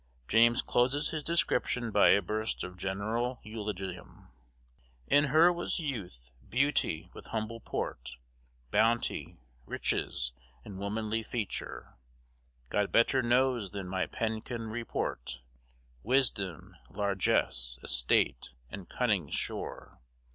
James closes his description by a burst of general eulogium: In her was youth, beauty, with humble port, Bounty, richesse, and womanly feature: God better knows than my pen can report, Wisdom, largesse,+ estate,++ and cunning& sure.